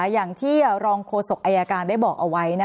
อย่างที่รองโฆษกอายการได้บอกเอาไว้